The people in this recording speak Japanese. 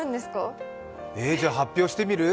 じゃ、発表してみる？